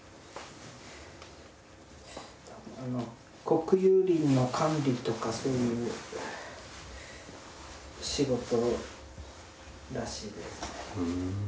国有林の管理とかそういう仕事らしいです。